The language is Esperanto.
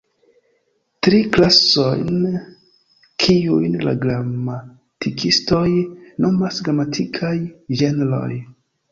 Tri klasojn, kiujn la gramatikistoj nomas gramatikaj genroj.